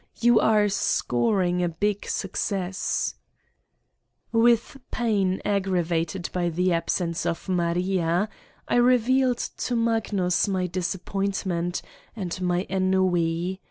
You are scor ing a big success/' With pain aggravated by the absence of Maria, I revealed to Magnus my disappointment and my ennui.